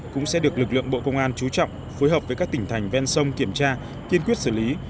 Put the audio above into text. cũng sẽ được lực lượng bộ công an chú trọng phối hợp với các tỉnh thành ven sông kiểm tra kiên quyết xử lý